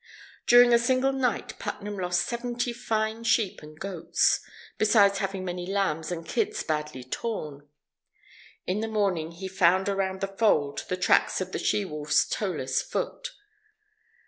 During a single night Putnam lost seventy fine sheep and goats, besides having many lambs and kids badly torn. In the morning he found around the fold the tracks of the she wolf's toeless foot.